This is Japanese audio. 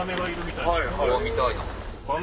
見たいな。